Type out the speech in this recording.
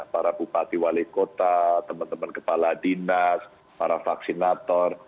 para bupati wali kota teman teman kepala dinas para vaksinator